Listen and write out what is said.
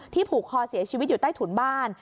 ผูกคอเสียชีวิตอยู่ใต้ถุนบ้าน